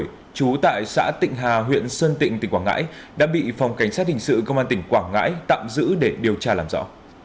trú tại xã tịnh hà huyện sơn tịnh tỉnh quảng ngãi đã bị phòng cảnh sát hình sự công an tỉnh quảng ngãi tạm giữ để điều tra làm rõ